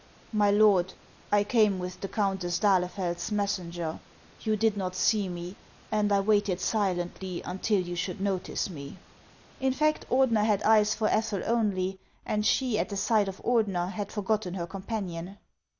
" My lord, I came with the Countess d'Ahlef eld's mes senger. You did not see me, and I waited silently until you should notice me." In fact, Ordener had eyes for Ethel only ; and she, at the sight of Ordener, had forgotten her companion.